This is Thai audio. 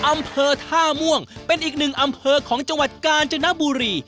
อำเภอท่าม่วงเป็นอีกหนึ่งอำเภอของจังหวัดกาญจนบุรี